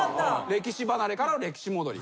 歴史離れからの歴史戻り。